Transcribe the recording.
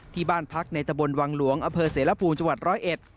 ที่บ้านพักในตะบลวังหลวงอเสรภูมิจร้อยเอ็ด